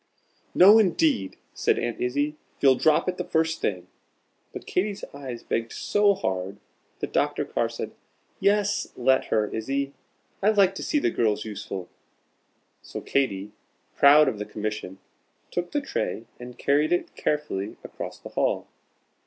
"No indeed," said Aunt Izzie; "you'll drop it the first thing." But Katy's eyes begged so hard, that Dr. Carr said, "Yes, let her, Izzie; I like to see the girls useful." So Katy, proud of the commission, took the tray and carried it carefully across the hall.